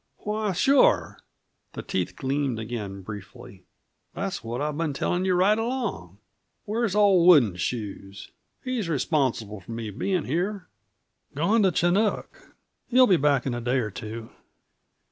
"Why, sure!" The teeth gleamed again briefly. "That's what I've been telling you right along. Where's old Wooden Shoes? He's responsible for me being here." "Gone to Chinook. He'll be back in a day or two."